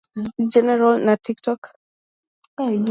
General Maxcy Gregg's brigade stood about a quarter mile behind the gap.